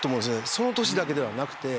その年だけではなくて。